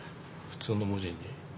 普通の文字に。